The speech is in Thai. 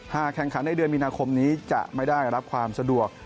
แข่งขันในเดือนมีนาคมนี้จะไม่ได้รับความสะดวก